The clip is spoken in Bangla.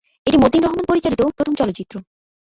এটি মতিন রহমান পরিচালিত প্রথম চলচ্চিত্র।